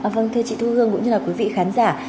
vâng thưa chị thu hương cũng như là quý vị khán giả